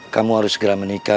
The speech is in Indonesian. kamu harus segera menikah